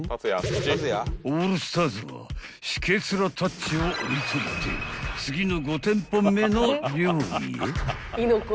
［オールスターズはしけ面たっちを置いといて次の５店舗目の料理へ］